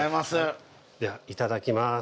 ではいただきます。